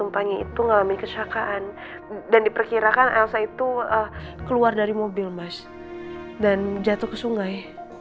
panggil itu ngalamin kesyakaan dan diperkirakan elsa itu keluar dari mobil mas dan jatuh ke sungai